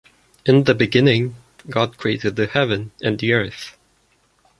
In the beginning God created the heaven and the earth.